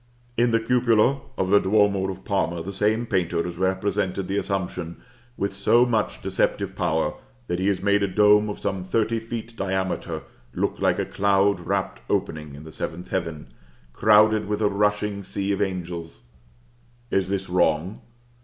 In the cupola of the duomo of Parma the same painter has represented the Assumption with so much deceptive power, that he has made a dome of some thirty feet diameter look like a cloud wrapt opening in the seventh heaven, crowded with a rushing sea of angels. Is this wrong?